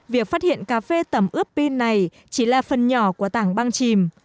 việc phát hiện cà phê tầm ướp pin này chỉ là phần nhỏ của tảng băng chìm